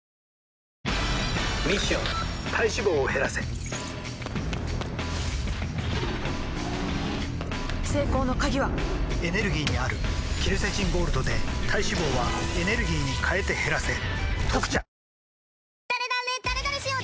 ミッション体脂肪を減らせ成功の鍵はエネルギーにあるケルセチンゴールドで体脂肪はエネルギーに変えて減らせ「特茶」